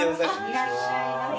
いらっしゃいませ。